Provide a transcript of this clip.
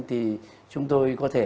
thì chúng tôi có thể